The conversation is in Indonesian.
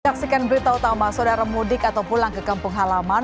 saksikan berita utama saudara mudik atau pulang ke kampung halaman